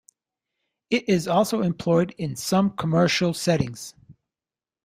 It is also employed in some commercial settings.